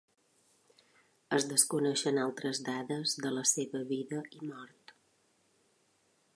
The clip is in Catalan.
Es desconeixen altres dades de la seva vida i mort.